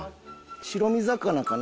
白身魚かな